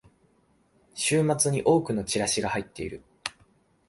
週末に多くのチラシが入ってくる